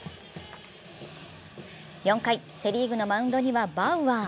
４回、セ・リーグのマウンドにはバウアー。